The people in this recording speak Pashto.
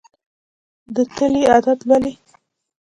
د تلې عدد لولي.